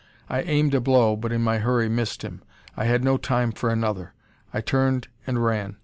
I aimed a blow, but in my hurry missed him. I had no time for another. I turned and ran.